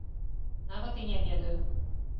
Нават і не ведаю.